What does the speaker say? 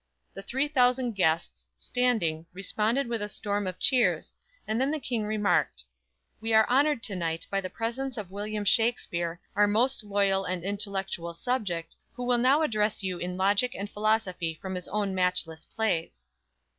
The three thousand guests standing responded with a storm of cheers, and then the King remarked: "We are honored to night by the presence of William Shakspere, our most loyal and intellectual subject, who will now address you in logic and philosophy from his own matchless plays."